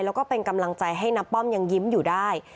แล้วก็เป็นกำลังใจให้น้าป้อมยังยิ้มอยู่ได้